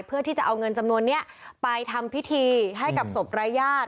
เพื่อที่จะเอาเงินจำนวนนี้ไปทำพิธีให้กับศพรายญาติ